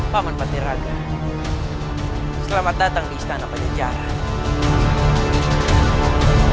paman batiraka selamat datang di istana pajajara